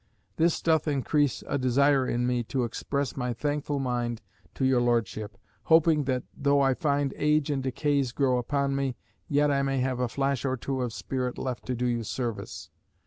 This doth increase a desire in me to express my thankful mind to your Lordship; hoping that though I find age and decays grow upon me, yet I may have a flash or two of spirit left to do you service.